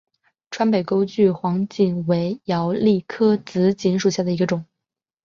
川北钩距黄堇为罂粟科紫堇属下的一个种。